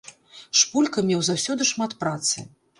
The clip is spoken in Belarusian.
Шпулька меў заўсёды шмат працы.